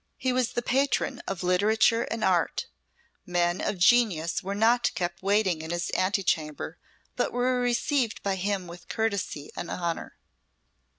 He was the patron of literature and art; men of genius were not kept waiting in his antechamber, but were received by him with courtesy and honour.